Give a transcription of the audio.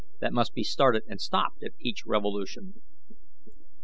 that must be started and stopped at each revolution.